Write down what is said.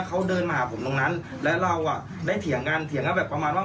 เขาเดินมาหาผมตรงนั้นแล้วเราอ่ะได้เถียงกันเถียงกันแบบประมาณว่า